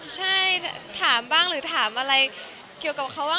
ใช่ถามบ้างหรือถามอะไรขึ้นกับเค้าบ้าง